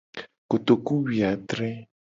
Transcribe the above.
Kotokuwuiadre.